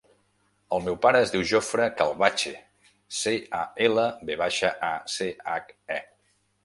El meu pare es diu Jofre Calvache: ce, a, ela, ve baixa, a, ce, hac, e.